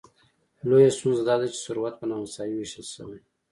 لویه ستونزه داده چې ثروت په نامساوي ویشل شوی.